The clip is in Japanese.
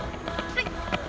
はい！